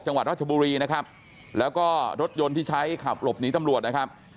จังหวัดราชบุรีนะครับแล้วก็รถยนต์ที่ใช้ขับหลบหนีตำรวจนะครับ